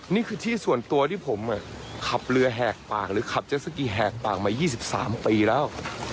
นี่คือที่ส่วนตัวที่ผมขับเรือแหกปากหรือขับเจสสกีแหกปากมา๒๓ปีแล้ว